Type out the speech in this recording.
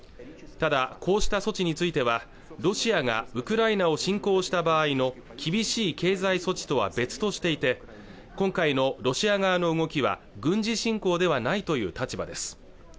ただこうした措置についてはロシアがウクライナを侵攻した場合の厳しい経済措置とは別としていて今回のロシア側の動きは軍事侵攻ではないという立場です